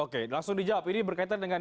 oke langsung dijawab ini berkaitan dengan